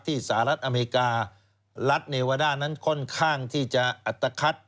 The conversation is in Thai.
สหรัฐอเมริการัฐเนวาด้านั้นค่อนข้างที่จะอัตภัท